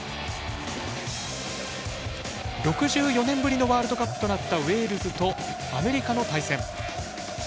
６４年ぶりのワールドカップとなったウェールズとアメリカの対戦。